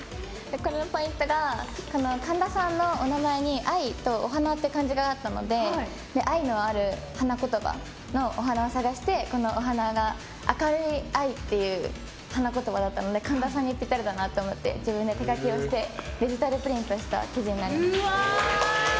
これのポイントが神田さんのお名前に「愛」と「花」という漢字があったので愛のある花言葉のお花を探してこのお花が、明るい愛っていう花言葉だったので神田さんにぴったりだなと思って自分で手書きをしてデジタルプリントした生地になります。